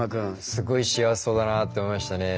すごい幸せそうだなって思いましたね。